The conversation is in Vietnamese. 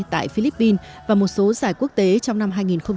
tại philippines và một số giải quốc tế trong năm hai nghìn một mươi chín